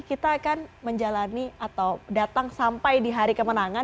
kita akan menjalani atau datang sampai di hari kemenangan